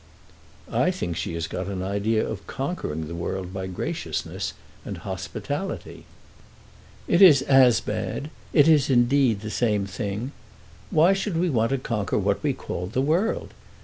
"I think she has got an idea of conquering the world by graciousness and hospitality." "It is as bad. It is, indeed, the same thing. Why should she want to conquer what we call the world?